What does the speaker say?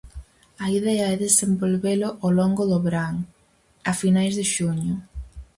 A idea é desenvolvelo ao longo do verán, a finais de xuño.